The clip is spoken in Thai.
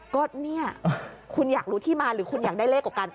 ก็เนี่ยคุณอยากรู้ที่มาหรือคุณอยากได้เลขกว่ากัน